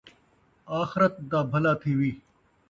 آخرت دا بھلا تھیوی